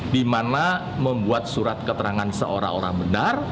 di mana membuat surat keterangan seorang orang benar